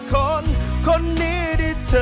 สวัสดีครับ